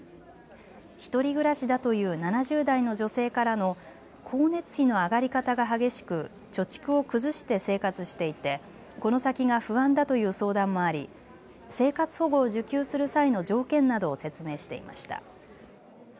１人暮らしだという７０代の女性からの光熱費の上がり方が激しく貯蓄を崩して生活していてこの先が不安だという相談もあり生活保護を受給する際の条件などを説明していました。